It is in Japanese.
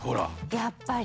やっぱり。